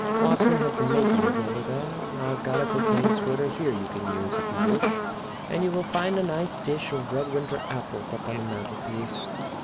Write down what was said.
Watson has the 'makings' over there; I've got a cocaine squirter here you can use, if you wish, and you will find a nice dish of red winter apples up on the mantelpiece.